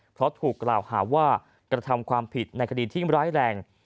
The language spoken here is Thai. เพราะถูกกล่าวหาว่ากระทำความผิดในคดีที่ร้ายแรง